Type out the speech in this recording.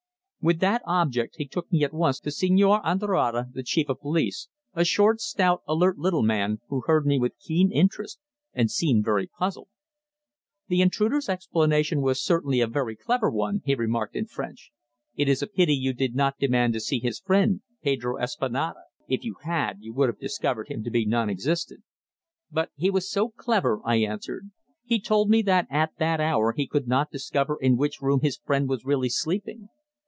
With that object he took me at once to Señor Andrade, the Chief of Police, a short, stout, alert little man, who heard me with keen interest and seemed very puzzled. "The intruder's explanation was certainly a very clever one," he remarked in French. "It is a pity you did not demand to see his friend, Pedro Espada. If you had, you would have discovered him to be nonexistent." "But he was so clever," I answered. "He told me that at that hour he could not discover in which room his friend was really sleeping."